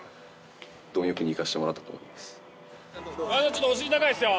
ちょっとお尻高いっすよ！